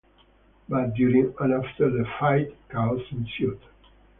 But during and after the fight, chaos ensued.